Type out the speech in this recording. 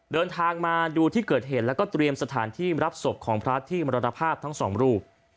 เดินทางมาดูที่เกิดเหตุแล้วก็เตรียมสถานที่รับศพของพระที่มรณภาพทั้งสองรูป